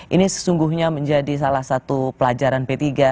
ini sesungguhnya menjadi salah satu pelajaran p tiga